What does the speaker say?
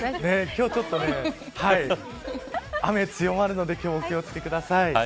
今日ちょっと雨強まるのでお気を付けください。